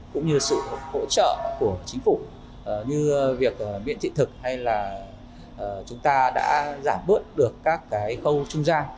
cũng như sự hỗ trợ của chính phủ như việc miễn thị thực hay là chúng ta đã giảm bớt được các cái khâu trung gian